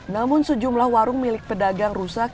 namun sejumlah warung milik pedagang rusak